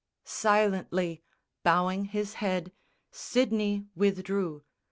Silently, Bowing his head, Sidney withdrew.